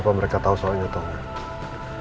apa mereka tau soalnya atau nggak